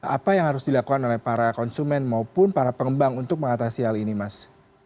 apa yang harus dilakukan oleh para konsumen maupun para pengembang untuk mengatasi hal ini mas